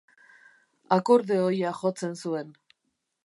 Akordeoia jotzen zuen.